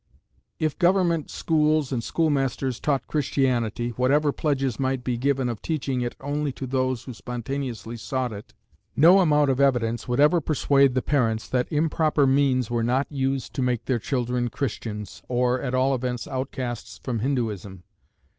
If government schools and schoolmasters taught Christianity, whatever pledges might be given of teaching it only to those who spontaneously sought it, no amount of evidence would ever persuade the parents that improper means were not used to make their children Christians, or, at all events, outcasts from Hindooism.